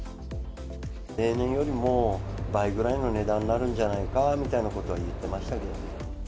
例年よりも倍ぐらいの値段になるんじゃないかみたいなことは言ってましたけどね。